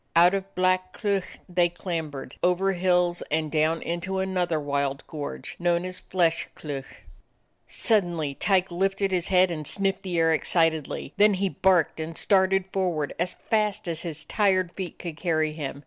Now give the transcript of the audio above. Out of Black Cleuch they clambered, over hills, and down into another wild gorge known as Flesh Cleuch. Suddenly Tyke lifted his head and sniffed the air excitedly; then he barked and started forward as fast as his tired feet could carry him.